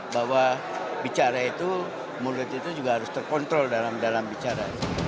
bahwa bicara itu mulut itu juga harus terkontrol dalam bicara